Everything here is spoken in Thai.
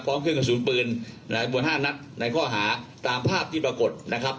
พร้อมเครื่องการสูญปืนหลายบนห้านัดในข้อหาตามภาพที่ปรากฏ